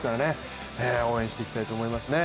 応援していきたいと思いますね。